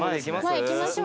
行きましょう！